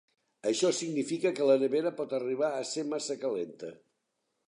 Això significa que la nevera pot arribar a ser massa calenta.